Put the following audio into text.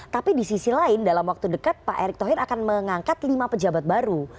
tapi di sisi lain dalam waktu dekat pak erick thohir akan mengangkat lima pejabat baru